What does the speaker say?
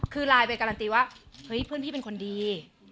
คือไลน์ไปการันตีว่าเฮ้ยเพื่อนพี่เป็นคนดี